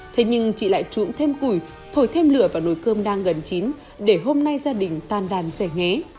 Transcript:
thế nhưng chị lại trũng thêm củi thổi thêm lửa vào nồi cơm đang gần chín để hôm nay gia đình tan đàn xẻ ngé